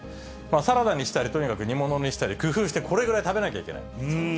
サラダにしたり、とにかく煮物にしたり、工夫してこれぐらい食べなきゃいけない。